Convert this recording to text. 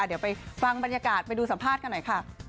เดี๋ยวไปฟังบรรยากาศไปดูสัมภาษณ์กันหน่อยค่ะ